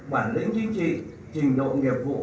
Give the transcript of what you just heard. bản lĩnh chính trị trình độ nghiệp vụ